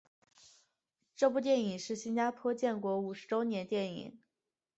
这部电影是新加坡建国五十周年电影。